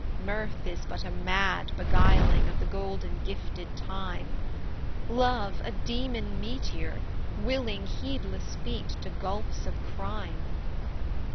"Mirth is but a mad beguiling Of the golden gifted time; Love a demon meteor, wiling Heedless feet to gulfs of crime.